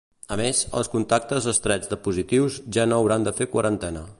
A més, els contactes estrets de positius ja no hauran de fer quarantena.